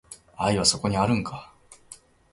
愛はそこにあるんか